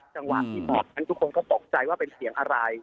จังหวะที่บอกนั้นทุกคนก็ตกใจว่าเป็นเสียงอะไร